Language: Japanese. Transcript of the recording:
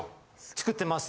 作ってます